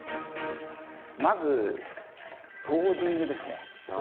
まずポージングですね。